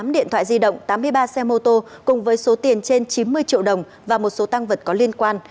một mươi điện thoại di động tám mươi ba xe mô tô cùng với số tiền trên chín mươi triệu đồng và một số tăng vật có liên quan